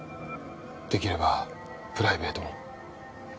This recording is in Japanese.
できればプライベートも。